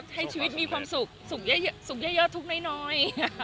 ให้ชีวิตมีความสุขสุขเยอะทุกข์น้อย